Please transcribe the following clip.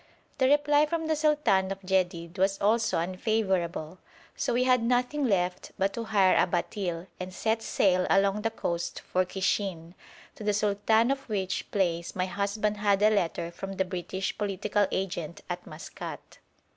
The reply from the sultan of Jedid was also unfavourable, so we had nothing left but to hire a batil and set sail along the coast for Kishin, to the sultan of which place my husband had a letter from the British political agent at Maskat.